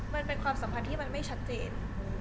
มันเป็นความสัมพันธ์ที่มันไม่ชัดเจน